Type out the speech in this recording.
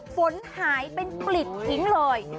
ฝนหายเป็นกลิดทิ้งเลย